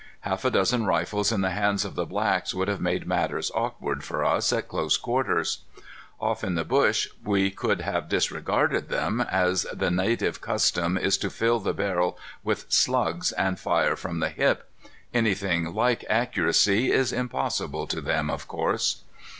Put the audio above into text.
Half a dozen rifles in the hands of the blacks would have made matters awkward for us at close quarters. Off in the bush we could have disregarded them, as the native custom is to fill the barrel with slugs and fire from the hip. Anything like accuracy is impossible to them, of course.